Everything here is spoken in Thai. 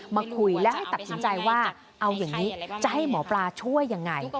มาคุยและให้ตัดสินใจว่าเอาอย่างนี้จะให้หมอปลาช่วยยังไง